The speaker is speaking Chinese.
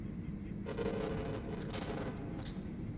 万历五年丁丑科进士。